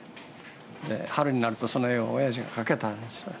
春になるとその絵をおやじが掛けたんです。